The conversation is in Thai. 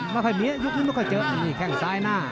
ว่าใครมียุคนี้มันก็เจอแข้งซ้ายหน้า